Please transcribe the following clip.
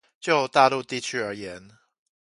就大陸地區而言